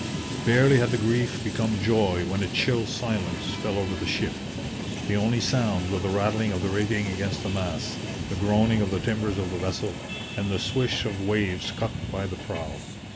Barely had the grief become joy, when a chill silence fell over the ship. The only sounds were the rattling of the rigging against the masts, the groaning of the timbers of the vessel, and the swish of the waves cut by the prow.